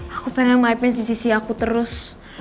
aku pengen mine di sisi aku terus